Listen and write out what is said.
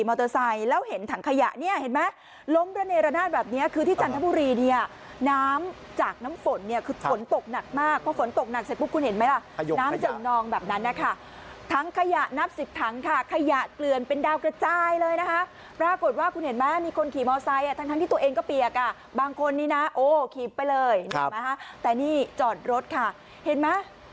บางคนนี่นะโอ้คีบไปเลยแต่นี่จอดรถค่ะเห็นไหม